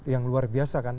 yang luar biasa kan